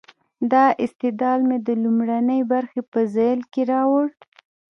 دا استدلال مې د لومړۍ برخې په ذیل کې راوړ.